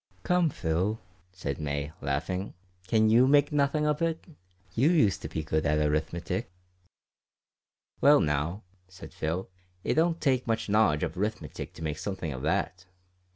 "Come, Phil," said May, laughing, "can you make nothing of it? You used to be good at arithmetic." "Well, now," said Phil, "it don't take much knowledge of arithmetic to make something of that.